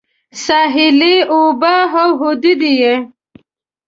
ساحلي اوبه او حدود یې